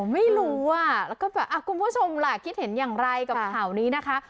ไม่รู้อ่ะแล้วก็แบบคุณผู้ชมล่ะคิดเห็นอย่างไรกับข่าวนี้นะคะ